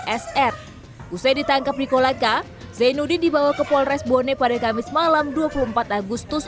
sr usai ditangkap di kolaka zainuddin dibawa ke polres bone pada kamis malam dua puluh empat agustus